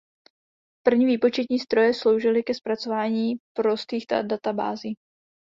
První výpočetní stroje sloužily ke zpracování prostých databází.